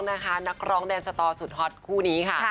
นักร้องแดนสตอสุดฮอตคู่นี้ค่ะ